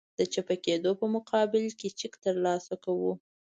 د چپه کېدو په مقابل کې چک ترسره کوو